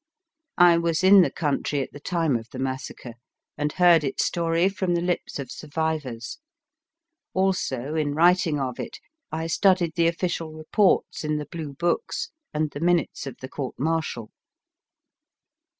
I was in the country at the time of the massacre, and heard its story from the lips of survivors ; also, in writing of it, I studied the official reports in the blue books and the minutes of the court martial.